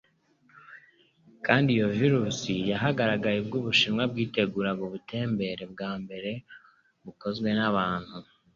Kandi iyo virusi yahagaragaye ubwo Ubushinwa bwiteguraga ubutembere bwa mbere bukozwe n'abantu